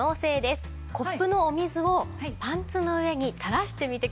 コップのお水をパンツの上に垂らしてみてください。